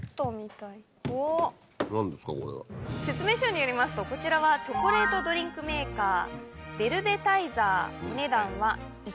説明書によりますとこちらはチョコレートドリンクメーカー。